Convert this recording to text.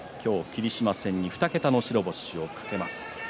今日、霧島戦に２桁の白星を懸けます。